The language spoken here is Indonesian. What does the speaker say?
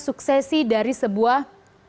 suksesi dari sebuah